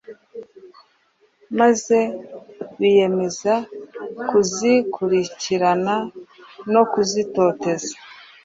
maze biyemeza kuzikurikirana no kuzitoteza.